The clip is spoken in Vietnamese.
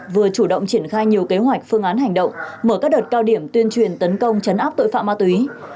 vừa chủ động triển khai nhiều kế hoạch phương án hành động mở các đợt cao điểm tuyên truyền tấn công chấn áp tội phạm ma túy